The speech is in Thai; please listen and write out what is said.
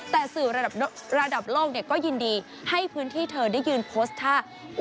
แต่สื่อระดับโลกก็ยินดีให้พื้นที่เธอได้ยืนโพสต์ท่า